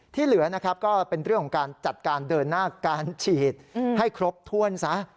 เหลือนะครับก็เป็นเรื่องของการจัดการเดินหน้าการฉีดให้ครบถ้วนซะ